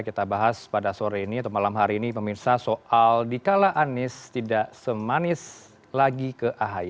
kita bahas pada sore ini atau malam hari ini pemirsa soal dikala anies tidak semanis lagi ke ahy